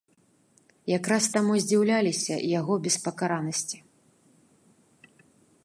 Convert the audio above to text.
Якраз таму здзіўляліся яго беспакаранасці.